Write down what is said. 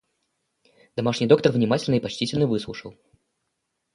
Домашний доктор внимательно и почтительно выслушал.